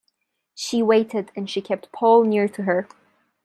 She waited, and she kept Paul near to her.